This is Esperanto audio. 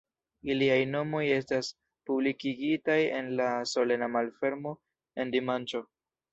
Iliaj nomoj estas publikigitaj en la solena malfermo en dimanĉo.